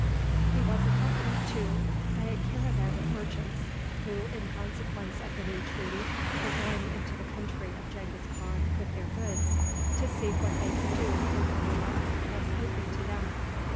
He was accompanied, too, by a caravan of merchants, who, in consequence of the new treaty, were going into the country of Genghis Khan with their goods, to see what they could do in the new market thus opened to them.